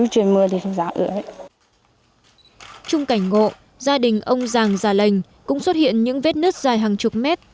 trong cảnh ngộ gia đình ông giàng già lành cũng xuất hiện những vết nứt dài hàng chục mét